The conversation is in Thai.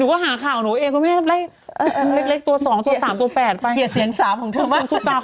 ทุกตาเขาไม่ถึงกับเขาหรอก